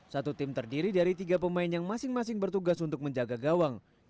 satu tim terdiri dari tiga pemain yang masing masing bertugas untuk menjaga gawang